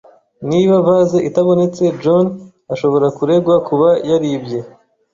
Niba vase itabonetse, John ashobora kuregwa kuba yaribye.